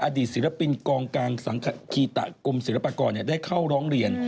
ศิลปินกองกลางสังคีตะกรมศิลปากรได้เข้าร้องเรียน